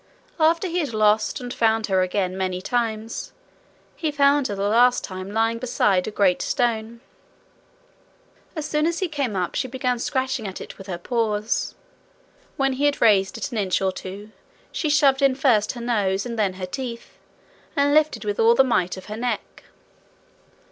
After he had lost and found her again many times, he found her the last time lying beside a great stone. As soon as he came up she began scratching at it with her paws. When he had raised it an inch or two, she shoved in first her nose and then her teeth, and lifted with all the might of her neck.